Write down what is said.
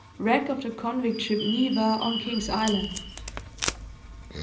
WRECK OF THE CONVICT SHIP "NEVA," ON KING'S ISLAND.